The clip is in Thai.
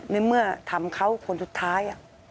ในเมื่อทำเขาคนสุดท้าย